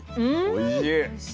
おいしい。